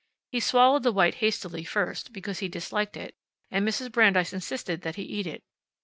He swallowed the white hastily first, because he disliked it, and Mrs. Brandeis insisted that he eat it.